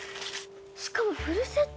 しかもフルセット！？